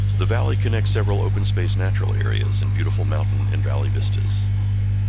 The valley connects several open space natural areas and beautiful mountain and valley vistas.